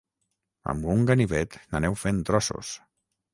Amb un ganivet n'aneu fent trossos